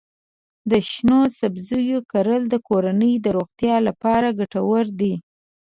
د شنو سبزیو کرل د کورنۍ د روغتیا لپاره ګټور دي.